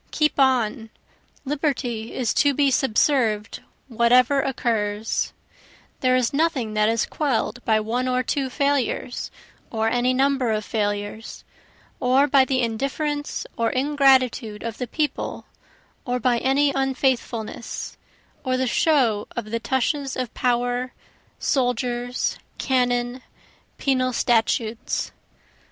Keep on Liberty is to be subserv'd whatever occurs; That is nothing that is quell'd by one or two failures, or any number of failures, Or by the indifference or ingratitude of the people, or by any unfaithfulness, Or the show of the tushes of power, soldiers, cannon, penal statutes.